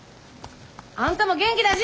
あんたも元気出し！